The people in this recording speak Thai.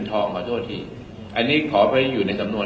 ต้องเรียกสายลับคุณนี้ถ้าตอบฝากสำนวน